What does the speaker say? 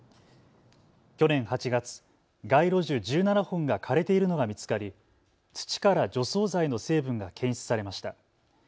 去年８月、街路樹１７本が枯れているのが見つかり土から除草剤の成分が検出されました。